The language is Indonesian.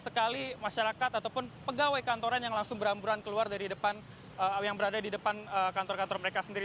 sekali masyarakat ataupun pegawai kantoran yang langsung beramburan keluar dari depan yang berada di depan kantor kantor mereka sendiri